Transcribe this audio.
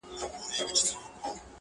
• زموږ غاښو ته تيږي نه سي ټينگېدلاى,